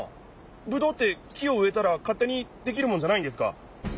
ぶどうって木をうえたらかってにできるもんじゃないんですか？